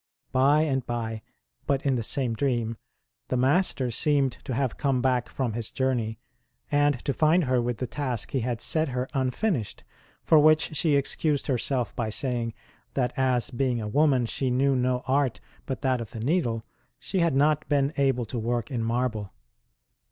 By and by (but in the same dream) the Master seemed to have come back from His journey, and to find her with the task He had set her un finished, for which she excused herself by saying that as, being a woman, she knew no art but that of the needle, she had not been able to work in marble.